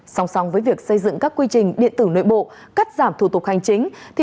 song song với việc xây dựng các quy trình điện tử nội bộ cắt giảm thủ tục hành chính